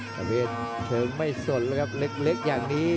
ประเภทเชิงไม่สนแล้วครับเล็กอย่างนี้